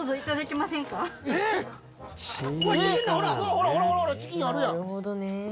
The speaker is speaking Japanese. ほらほらほらほらチキンあるやん。